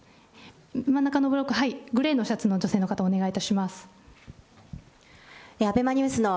真ん中のブロック、グレーのシャツの方、お願いいたします。